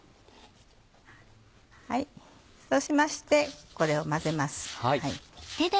そうしましてこれを混ぜます。